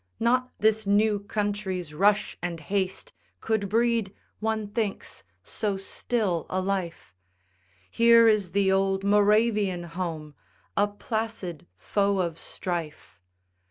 Not this new country's rush and haste Could breed, one thinks, so still a life; Here is the old Moravian home, A placid foe of strife.